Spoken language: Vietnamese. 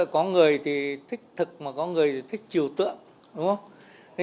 có người thích thực có người thích chiều tượng